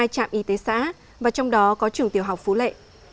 hai trạm y tế xã và trong đó có trường tiểu học phú lệ